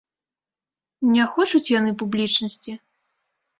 Не хочуць яны публічнасці.